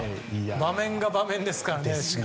場面が場面ですから。